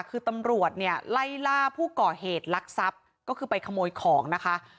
คือตำรวจเนี่ยไล่ล่าผู้ก่อเหตุลักษัพก็คือไปขโมยของนะคะ